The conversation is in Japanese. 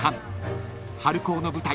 ［春高の舞台